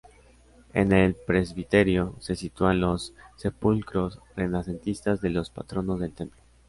En el presbiterio se sitúan los sepulcros renacentistas de los patronos del templo.